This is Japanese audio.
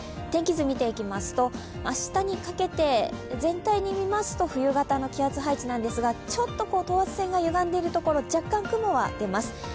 天気図を見ていきますと明日にかけて全体に見ますと冬型の気圧配置なんですがちょっと等圧線がゆがんでいるところ、若干雲が出ます。